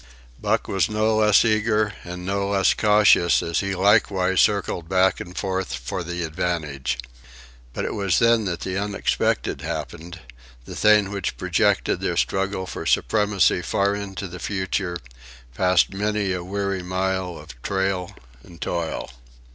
Buck was no less eager, and no less cautious, as he likewise circled back and forth for the advantage. But it was then that the unexpected happened, the thing which projected their struggle for supremacy far into the future, past many a weary mile of trail and toil.